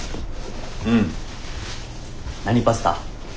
うん。何パスタ？